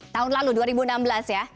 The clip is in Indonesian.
tahun lalu dua ribu enam belas ya